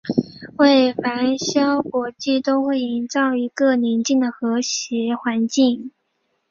为繁嚣国际都会营造一个宁静和谐环境。